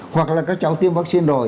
hoặc là các cháu tiêm vaccine rồi